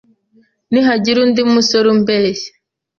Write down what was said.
Nihagira undi musore umbeshya